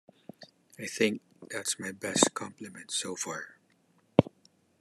I think that's my best compliment so far.